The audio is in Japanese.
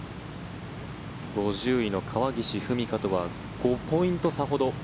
５０位の川岸史果とは５ポイント差ほど。